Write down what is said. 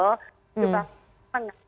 tujuh fraksi ini penganggap